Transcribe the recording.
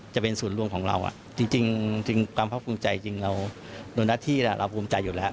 จริงเราน้องท่าที่นี่เราภงใจอยู่แล้ว